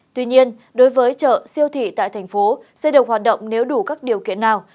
tuy nhiên đối với chợ siêu thị tại thành phố sẽ được hoạt động nếu đủ các điều kiện nào